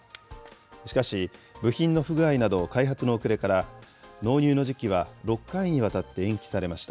しかし、部品の不具合など開発の遅れから、納入の時期は６回にわたって延期されました。